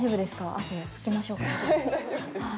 汗、拭きましょうか？